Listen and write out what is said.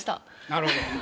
なるほど。